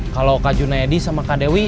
kalau kak junaidi sama kak dewi